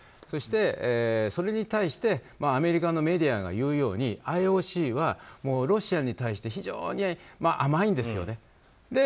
そして、それに対してアメリカのメディアが言うようにＩＯＣはもうロシアに対して非常に甘いんですよね。